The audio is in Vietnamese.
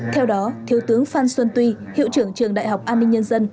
theo đó thiếu tướng phan xuân tuy hiệu trưởng trường đại học an ninh nhân dân